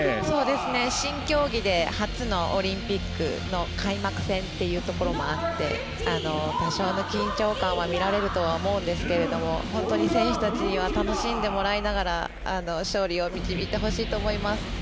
新競技で初のオリンピックの開幕戦ということもあって多少の緊張感は見られると思うんですけど本当に選手たちには楽しんでもらいながら勝利を導いてほしいと思います。